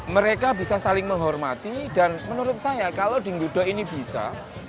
mereka bisa saling menghormati dan menurut saya kalau dinggodok ini bisa